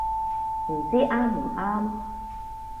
唔知啱唔啱